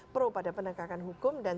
pro pada penegakan hukum dan